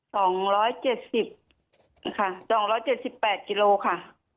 สองร้อยเจ็ดสิบนะคะสองร้อยเจ็ดสิบแปดกิโลค่ะ